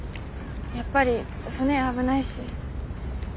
やっぱり船危ないし。